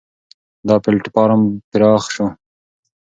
دا پلېټفارم پراخ شو.